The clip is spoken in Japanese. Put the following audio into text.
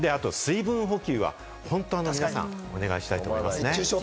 あと水分補給は本当に皆さん、お願いしたいと思いますね。